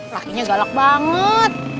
lakinya galak banget